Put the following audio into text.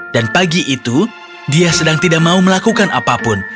dan pagi itu dia sedang tidak mau melakukan apapun